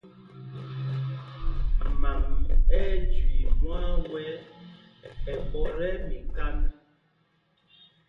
Man ɛ ́ɛ́ jüii mwán wɛ́ ɛ ɓɔ̌t ɛ́ mikānd.